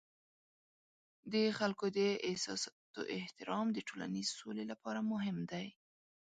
د خلکو د احساساتو احترام د ټولنیز سولې لپاره مهم دی.